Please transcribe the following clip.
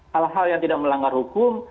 hal hal yang tidak melanggar hukum